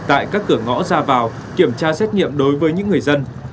tại các cửa ngõ ra vào kiểm tra xét nghiệm đối với những người dân